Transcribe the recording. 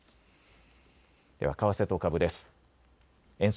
では為替と株です。